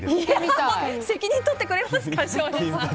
責任取ってくれますか？